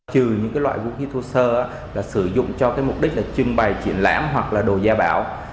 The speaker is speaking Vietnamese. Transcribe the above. trừ những loại vũ khí thu sơ sử dụng cho mục đích trưng bày triển lãm hoặc đồ gia bảo